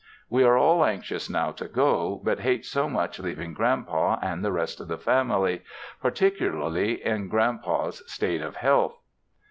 We are all anxious now to go, but hate so much leaving Grand Pa, and the rest of the family, particularly in Grand Pa's state of health.